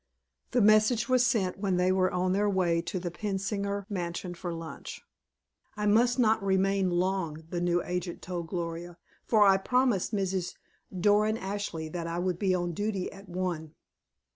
The message was sent when they were on their way to the Pensinger mansion for lunch. "I must not remain long," the new agent told Gloria, "for I promised Mrs. Doran Ashley that I would be on duty at one."